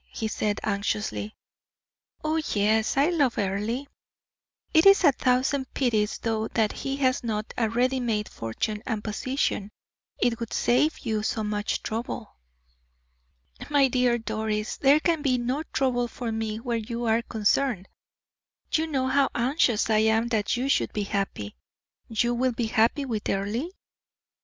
he said, anxiously. "Oh, yes, I love Earle. It is a thousand pities, though, that he has not a ready made fortune and position it would save you so much trouble." "My dear Doris, there can be no trouble for me where you are concerned; you know how anxious I am that you should be happy. You will be happy with Earle?"